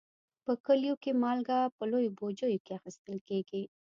په کلیو کې مالګه په لویو بوجیو کې اخیستل کېږي.